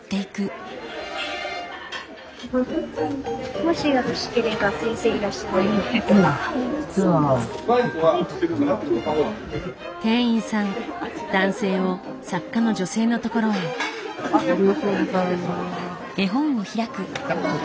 ありがとうございます。